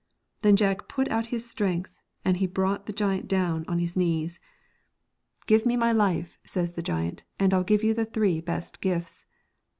Then Jack put out his strength, and he brought the giant down on his knees. ' Give me my 214 life,' says the giant, 'and 1 11 give you the Dreams 7 * i , that have three best gifts.'